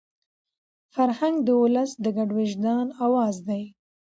فرهنګ د ولس د ګډ وجدان اواز دی.